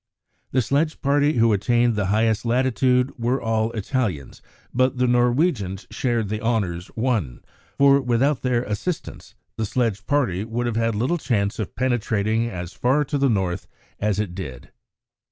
The sledge party who attained the highest latitude were all Italians, but the Norwegians shared the honours won, for without their assistance the sledge party would have had little chance of penetrating as far to the north as it did.